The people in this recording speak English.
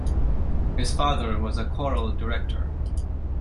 His father was a choral director.